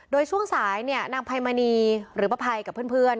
โดยช่วงสายเนี่ยนางไพมณีหรือป้าภัยกับเพื่อน